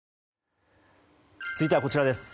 続いてはこちらです。